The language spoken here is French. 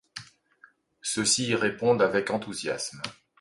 Ceux-ci y répondent avec enthousiasme.